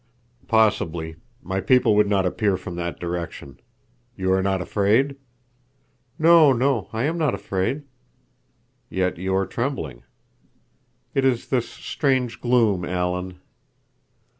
"Possibly. My people would not appear from that direction. You are not afraid?" "No, no, I am not afraid." "Yet you are trembling." "It is this strange gloom, Alan."